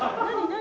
何？